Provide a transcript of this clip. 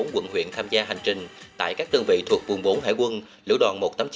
hai mươi bốn quận huyện tham gia hành trình tại các tương vị thuộc vùng bốn hải quân lữ đoàn một trăm tám mươi chín